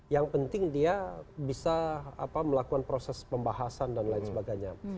yang penting dia bisa melakukan proses pembahasan dan lain sebagainya